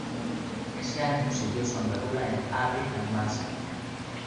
Ese año siguió su andadura en A. D. Almansa.